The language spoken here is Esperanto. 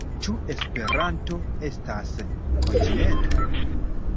Ĉu Esperanto estas kontinento?